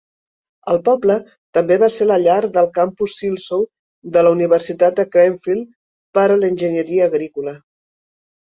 El poble també va ser la llar del campus Silsoe de la Universitat de Cranfield per a l'enginyeria agrícola.